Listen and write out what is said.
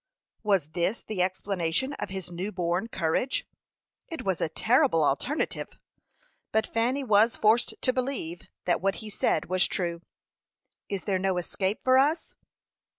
Was this the explanation of his new born courage? It was a terrible alternative, but Fanny was forced to believe that what he said was true. "Is there no escape for us?"